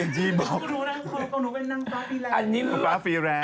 ของหนูเป็นนางฟ้าฟีแรง